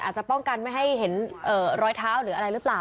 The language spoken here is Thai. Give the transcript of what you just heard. อาจจะป้องกันไม่ให้เห็นรอยเท้าหรืออะไรหรือเปล่า